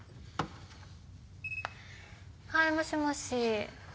はいもしもし。